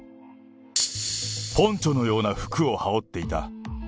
ポンチョのような服を羽織っていた。